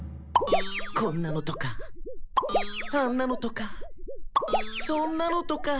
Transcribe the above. こんなのとかあんなのとかそんなのとか！